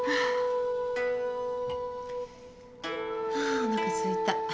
あおなかすいた。